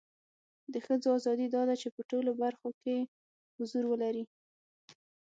د خځو اذادی دا ده چې په ټولو برخو کې حضور ولري